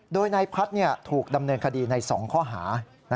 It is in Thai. โดยนายพัฒน์ถูกดำเนินคดีใน๒ข้อหา